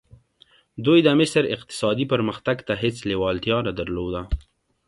دوی د مصر اقتصادي پرمختګ ته هېڅ لېوالتیا نه درلوده.